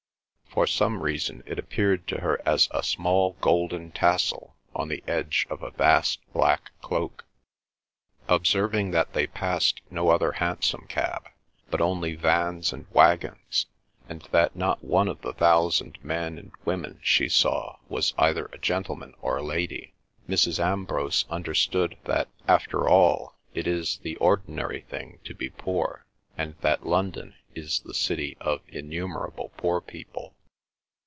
For some reason it appeared to her as a small golden tassel on the edge of a vast black cloak. Observing that they passed no other hansom cab, but only vans and waggons, and that not one of the thousand men and women she saw was either a gentleman or a lady, Mrs. Ambrose understood that after all it is the ordinary thing to be poor, and that London is the city of innumerable poor people.